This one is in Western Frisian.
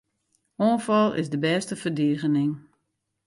Oanfal is de bêste ferdigening.